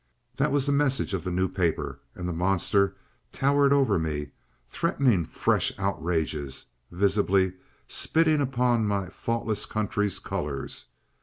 That was the message of the New Paper, and the monster towered over me, threatening fresh outrages, visibly spitting upon my faultless country's colors.